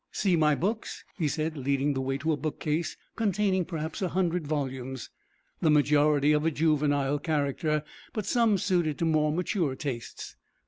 "See my books," he said, leading the way to a bookcase, containing perhaps a hundred volumes, the majority of a juvenile character, but some suited to more mature tastes.